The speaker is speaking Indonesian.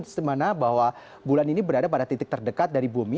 dimana bahwa bulan ini berada pada titik terdekat dari bumi